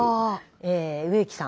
え植木さん。